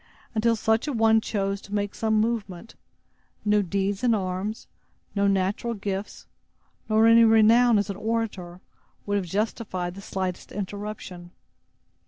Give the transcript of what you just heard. Until such a one chose to make some movement, no deeds in arms, no natural gifts, nor any renown as an orator, would have justified the slightest interruption.